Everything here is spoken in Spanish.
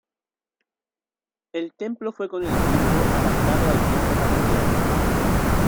El templo fue con el tiempo adaptado a iglesia parroquial.